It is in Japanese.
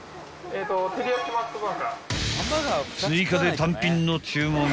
［追加で単品の注文］